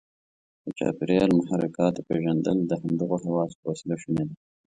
د چاپیریال محرکاتو پېژندل د همدغو حواسو په وسیله شونې ده.